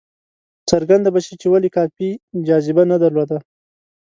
څرګنده به شي چې ولې کافي جاذبه نه درلوده.